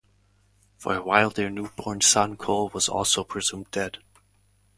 For a while, their newborn son, Cole, was also presumed dead.